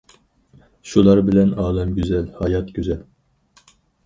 شۇلار بىلەن ئالەم گۈزەل، ھايات گۈزەل.